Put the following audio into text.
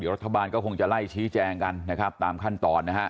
รัฐบาลก็คงจะไล่ชี้แจงกันนะครับตามขั้นตอนนะฮะ